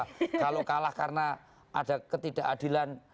kalau kalah karena ada ketidakadilan